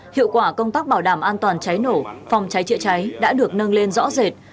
hiệu quả công tác bảo đảm an toàn cháy nổ phòng cháy chữa cháy đã được nâng lên rõ rệt